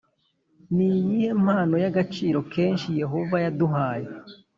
Ni iyihe mpano y’agaciro kenshi Yehova yaduhaye